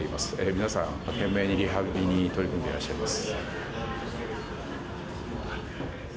皆さん懸命にリハビリに取り組んでいらっしゃいます。